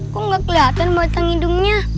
kok gak keliatan batang hidungnya